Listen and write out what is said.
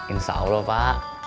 insya allah pak